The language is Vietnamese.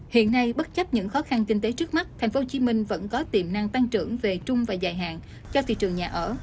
hiện nay bất chấp những khó khăn kinh tế trước mắt thành phố hồ chí minh vẫn có tiềm năng tăng trưởng về trung và dài hạn cho thị trường nhà ở